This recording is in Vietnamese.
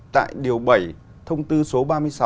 tại điều bảy thông tư số ba mươi sáu